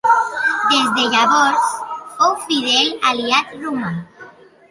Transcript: Des de llavors fou fidel aliat romà.